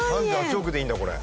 ３８億でいいんだこれ。